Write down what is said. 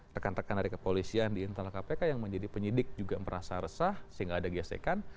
rekan rekan dari kepolisian di internal kpk yang menjadi penyidik juga merasa resah sehingga ada gesekan